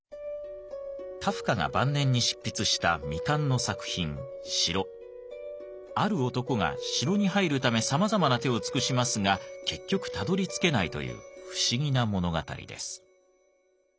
カフカが晩年に執筆したある男が城に入るためさまざまな手を尽くしますが結局たどりつけないという不思議な物語です。